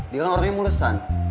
dia kan orangnya mulesan